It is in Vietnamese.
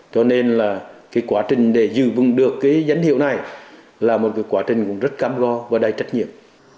cho nên là cái quá trình để giữ vững được cái danh hiệu này là một cái quá trình cũng rất cam go và đầy trách nhiệm